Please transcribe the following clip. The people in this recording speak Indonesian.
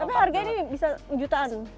tapi harganya ini bisa jutaan